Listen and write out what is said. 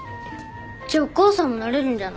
じゃあお母さんもなれるんじゃない？